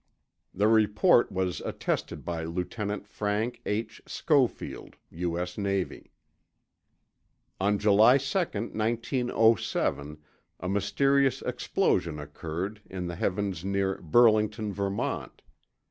The report was attested by Lieutenant Frank H. Schofield, U.S.N. On July 2, 1907, a mysterious explosion occurred, in the heavens near Burlington, Vermont.